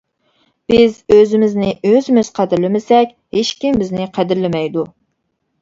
بىز ئۆزىمىزنى ئۆزىمىز قەدىرلىمىسەك ھېچكىم بىزنى قەدىرلىمەيدۇ.